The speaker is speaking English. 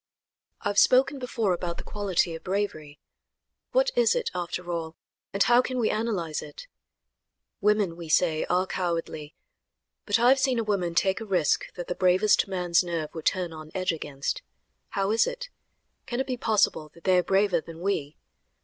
I have spoken before about the quality of bravery. What is it, after all, and how can we analyze it? Women, we say, are cowardly, but I have seen a woman take a risk that the bravest man's nerve would turn on edge against. How is it? Can it be possible that they are braver than we?